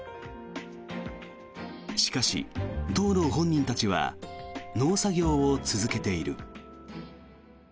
しかし、当の本人たちは農作業を続けている。